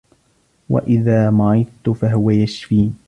وإذا مرضت فهو يشفين